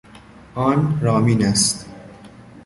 آن رامین است.